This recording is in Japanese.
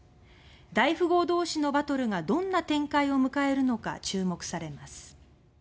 大富豪同士のバトルがどんな展開を迎えるのか注目されます。